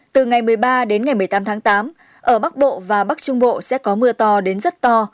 từ ngày một mươi ba đến ngày một mươi tám tháng tám ở bắc bộ và bắc trung bộ sẽ có mưa to đến rất to